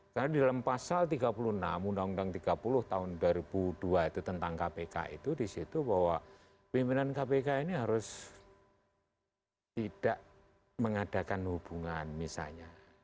karena di dalam pasal tiga puluh enam undang undang tiga puluh tahun dua ribu dua itu tentang kpk itu disitu bahwa pimpinan kpk ini harus tidak mengadakan hubungan misalnya